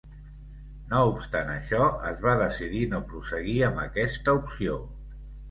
No obstant això es va decidir no prosseguir amb aquesta opció.